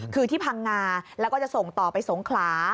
คือที่พังงาแล้วก็จะส่งต่อไปสงขลา